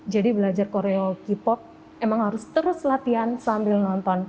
jadi belajar koreo k pop emang harus terus latihan sambil nonton